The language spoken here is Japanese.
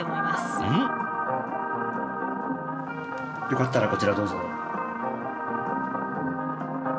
よかったらこちらどうぞ。